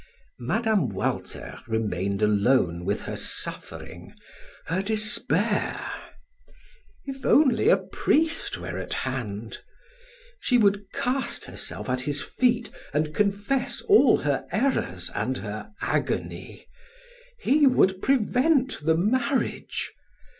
Mme. Walter remained alone with her suffering, her despair. If only a priest were at hand! She would cast herself at his feet and confess all her errors and her agony he would prevent the marriage!